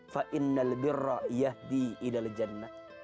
fa inna algirra yahdi ilal jannat